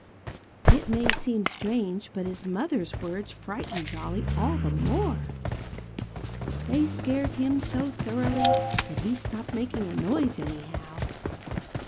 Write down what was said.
It may seem strange, but his mother's words frightened Jolly all the more. They scared him so thoroughly that he stopped making a noise, anyhow.